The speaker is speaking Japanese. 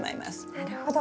なるほど。